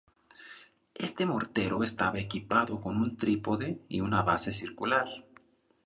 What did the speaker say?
Este mortero estaba equipado con un trípode y una base circular.